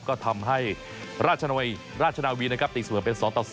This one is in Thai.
ก็ทำให้ราชนาวีราชนาวีนะครับติดเสมอเป็น๒ต่อ๒